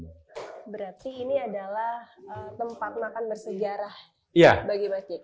berarti ini adalah tempat makan bersejarah bagi mbah jikek